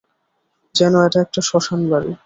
যেন এটা একটা শ্মশান বাড়ী!